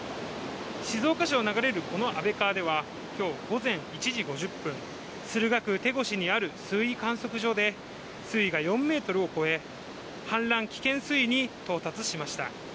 静岡市を流れるこの安倍川では、今日午前１時５０分、駿河区手越にある水位観測所で水位が４ｍを超え、氾濫危険水位に到達しました。